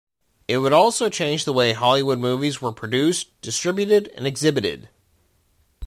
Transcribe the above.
It would also change the way Hollywood movies were produced, distributed, and exhibited.